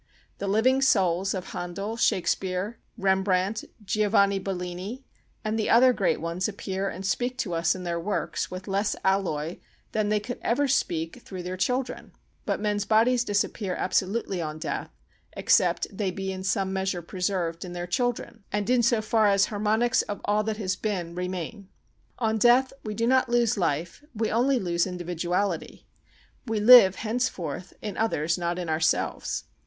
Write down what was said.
The living souls of Handel, Shakespeare, Rembrandt, Giovanni Bellini and the other great ones appear and speak to us in their works with less alloy than they could ever speak through their children; but men's bodies disappear absolutely on death, except they be in some measure preserved in their children and in so far as harmonics of all that has been remain. On death we do not lose life, we only lose individuality; we live henceforth in others not in ourselves.